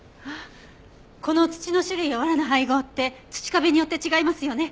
この土の種類や藁の配合って土壁によって違いますよね？